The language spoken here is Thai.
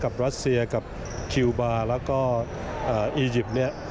กับรัสเซียกับคิลบาร์แล้วก็อิจิปต์